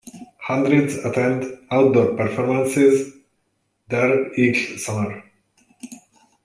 Hundreds attend outdoor performances there each summer.